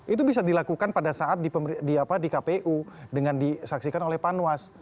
itu bisa dilakukan pada saat di kpu dengan disaksikan oleh panwas